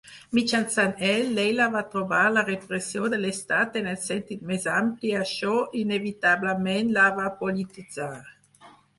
Mitjançant ell, Leyla va trobar la repressió de l'estat en el sentit més ampli i això, inevitablement, la va polititzar.